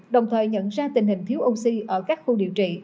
đồng thời nhận ra tình hình thiếu oxy ở các khu điều trị